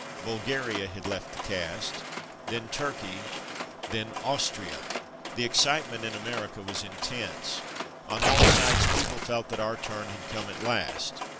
Bulgaria had left the cast, then Turkey, then Austria! The excitement in America was intense. On all sides people felt that our turn had come at last.